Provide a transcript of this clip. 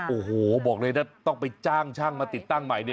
โอ้โหบอกเลยนะต้องไปจ้างช่างมาติดตั้งใหม่